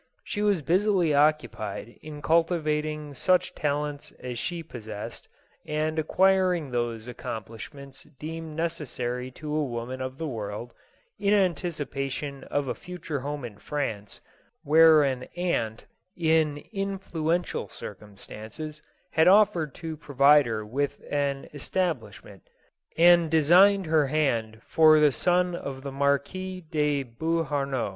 She was busily occupied in cultivating such talents as she possessed, and acquiring those accom plishments deemed necessary to a woman of the world, in anticipation of a future home in France, where an aunt, in influential circumstances, had offered to provide her with an establishment, and designed her hand for the son of the Marquis de Beauharnois.